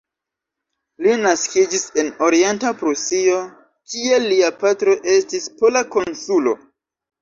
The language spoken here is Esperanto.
Li naskiĝis en Orienta Prusio, kie lia patro estis pola konsulo.